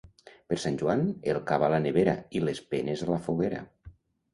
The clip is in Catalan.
Per Sant Joan, el cava a la nevera i les penes a la foguera.